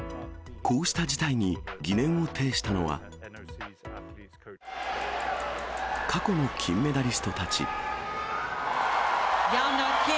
こうした事態に疑念を呈したのは、過去の金メダリストたち。